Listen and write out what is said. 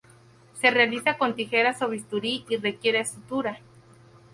Se realiza con tijeras o bisturí y requiere sutura.